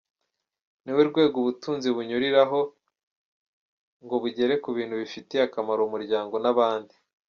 Ni we rwego ubutunzi bunyuriraho ngo bugere ku bintu bifitiye akamaro umuryango n’abandi.